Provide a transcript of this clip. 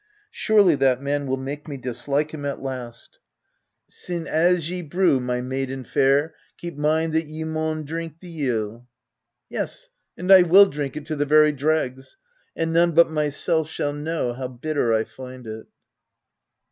Surely that man will make me dislike him at last !" Sine as ye brew, my maiden fair, Keep mind that ye maun drink the yill." Yes ; and I will drink it to the very dregs : and none but myself shall know r how bitter I find it